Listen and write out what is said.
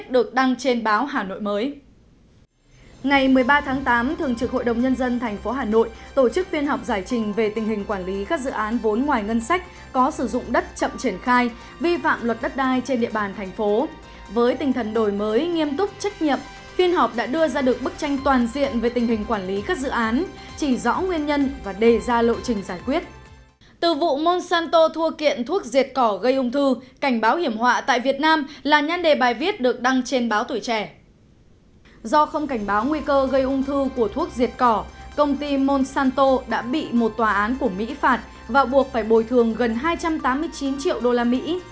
do không cảnh báo nguy cơ gây ung thư của thuốc diệt cỏ công ty monsanto đã bị một tòa án của mỹ phạt và buộc phải bồi thường gần hai trăm tám mươi chín triệu đô la mỹ